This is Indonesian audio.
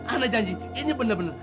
anda janji ini bener bener